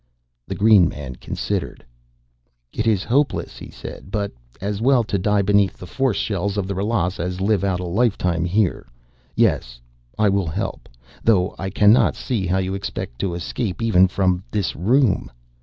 The green man considered. "It is hopeless," he said, "but as well to die beneath the force shells of the Ralas as live out a lifetime here. Yes, I will help, though I cannot see how you expect to escape even from this room."